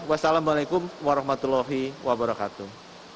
wassalamualaikum warahmatullahi wabarakatuh